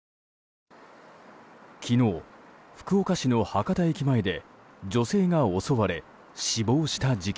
昨日、福岡市の博多駅前で女性が襲われ死亡した事件。